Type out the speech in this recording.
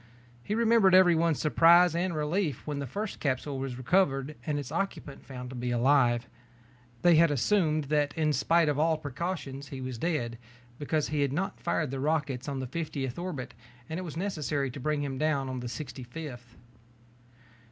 He remembered everyone's surprise and relief when the first capsule was recovered and its occupant found to be alive. They had assumed that in spite of all precautions he was dead because he had not fired the rockets on the fiftieth orbit and it was necessary to bring him down on the sixty fifth.